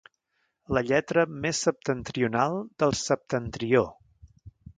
La lletra més septentrional del septentrió.